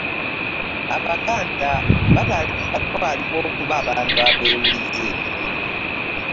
abaganda batwalibwa okuba abantu abeewulize.